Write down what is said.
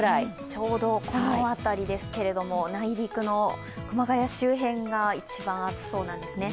ちょうどこの辺りですけれども内陸の熊谷周辺が一番暑そうなんですね。